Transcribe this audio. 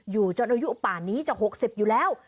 อยู่จนอายุป่านนี้จะ๖๐อยู่แล้ว